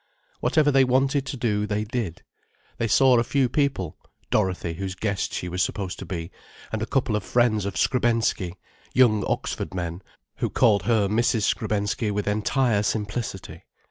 Whatever they wanted to do, they did. They saw a few people—Dorothy, whose guest she was supposed to be, and a couple of friends of Skrebensky, young Oxford men, who called her Mrs. Skrebensky with entire simplicity.